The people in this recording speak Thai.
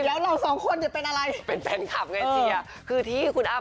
เฮ้ยใจเต้นตุ๊กตับ